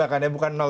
ke dulu